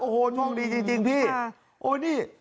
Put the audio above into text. โอ้โหโชคดีจริงพี่